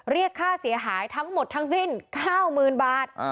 เรียกค่าเสียหายทั้งหมดทั้งสิ้น๙๐๐๐บาท